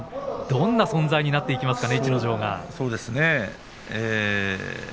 どんな存在になっていきますか？